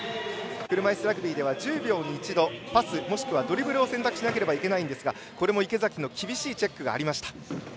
車いすラグビーでは１０秒に一度パス、もしくはドリブルを選択しなければいけないんですがこれも池崎の厳しいチェックがありました。